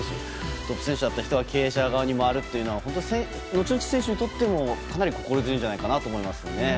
トップ選手だった人が経営者側に回るということは後々、選手側にとってもかなり心強いんじゃないかなと思いますよね。